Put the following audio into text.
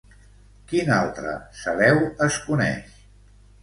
Quin altre Celeu es coneix?